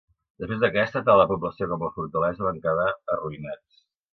Després d'aquesta, tant la població com la fortalesa van quedar arruïnats.